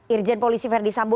irjen polisi ferdisambo